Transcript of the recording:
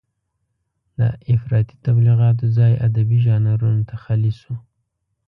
د افراطي تبليغاتو ځای ادبي ژانرونو ته خالي شو.